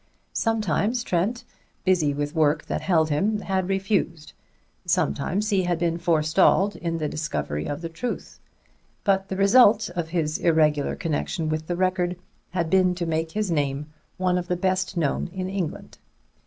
Sometimes Trent, busy with work that held him, had refused; sometimes he had been forestalled in the discovery of the truth. But the result of his irregular connection with the Record had been to make his name one of the best known in England.